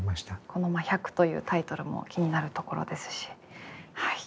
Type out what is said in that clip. この「百」というタイトルも気になるところですしはい。